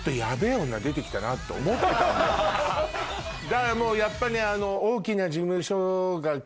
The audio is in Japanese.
だからもうやっぱね。